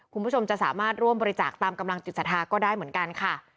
คุณผู้ชมจะสามารถร่วมบริจาคตามกำลังจิตศรัทธาก็ได้เหมือนกันค่ะ